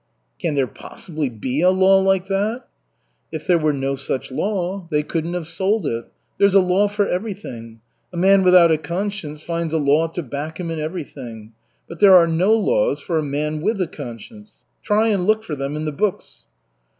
"Can there possibly be a law like that?" "If there were no such law, they couldn't have sold it. There's a law for everything. A man without a conscience finds a law to back him in everything. But there are no laws for a man with a conscience. Try and look for them in the books."